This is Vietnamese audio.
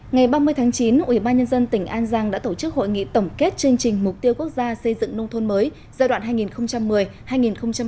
ngày ba mươi tháng chín ủy ban nhân dân tỉnh an giang đã tổ chức hội nghị tổng kết chương trình mục tiêu quốc gia xây dựng nông thôn mới giai đoạn hai nghìn một mươi hai nghìn hai mươi